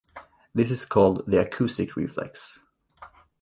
This is called the acoustic reflex.